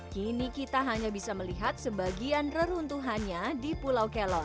kini kita hanya bisa melihat sebagian reruntuhannya di pulau kelon